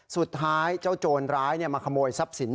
สุดท้ายเจ้าจนร้ายมาขโมยทรัพย์ศิลป์